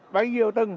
bấy nhiều tầng